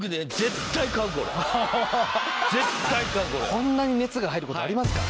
こんなに熱が入る事ありますか。